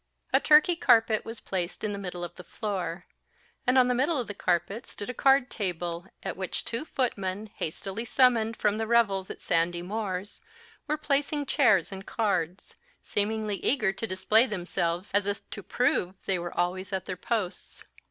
A Turkey carpet was placed in the middle of the floor; and on the middle of the carpet stood the card table, at which two footmen, hastily summoned from the revels at Sandy More's, were placing chairs and cards; seemingly eager to display themselves, as if to prove that they were always at their posts.